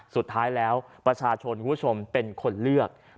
สุดท้ายแล้วประชาชนคุณผู้ชมเป็นคนเลือก